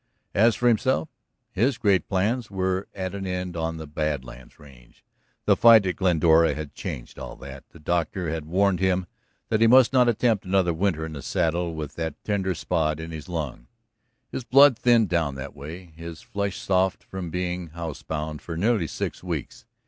As for himself, his great plans were at an end on the Bad Lands range. The fight at Glendora had changed all that. The doctor had warned him that he must not attempt another winter in the saddle with that tender spot in his lung, his blood thinned down that way, his flesh soft from being housebound for nearly six weeks.